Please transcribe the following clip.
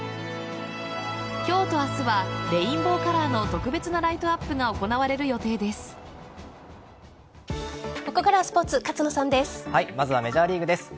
今日と明日はレインボーカラーの特別なライトアップがここからはスポーツまずはメジャーリーグです。